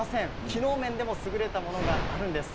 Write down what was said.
機能面でも優れたものがあります。